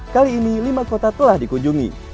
kali ini lima kota telah dikunjungi